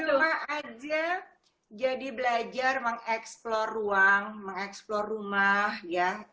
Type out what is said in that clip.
di rumah aja jadi belajar mengeksplor ruang mengeksplor rumah ya